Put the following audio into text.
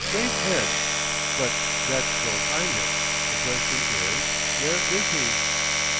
Great head! But that don't find him. The question is, where is he?"